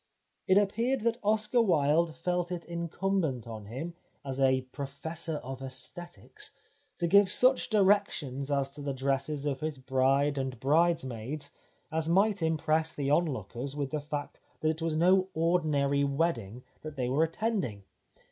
It appeared that Oscar Wilde felt it incumbent on him as a " Professor of iEsthetics " to give such directions as to the dresses of his bride and bridesmaids as might impress the onlookers with the fact that it was no ordinary wedding that they were attending.